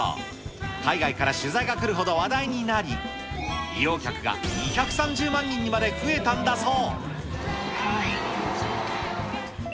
海外から取材が来るほど話題になり、利用客が２３０万人にまで増えたんだそう。